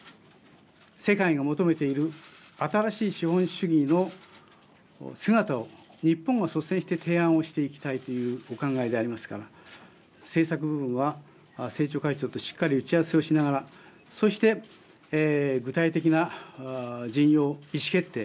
世界が求めている新しい資本主義の姿を日本を率先して提案していきたいというお考えでありますから政策部分は政調会長としっかり打ち合わせをしながらそして具体的なじんよう意思決定。